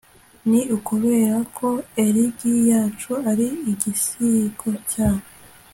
Ni ukubera ko elegi yacu ari igisigo cyayo